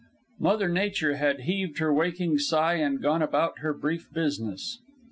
Mother nature had heaved her waking sigh and gone about her brief business.